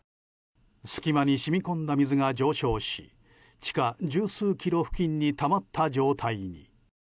隙間に染み込んだ水が上昇し地下十数キロ付近にたまった状態に。